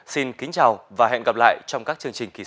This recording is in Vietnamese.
xin kính chào và hẹn gặp lại trong các chương trình kỳ sau